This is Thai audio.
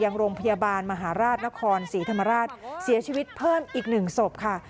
ยังโรงพยาบาลมหาราชนครศรีธรรมราชเสียชีวิตเพิ่มอีกหนึ่งศพค่ะ